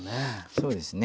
そうですね。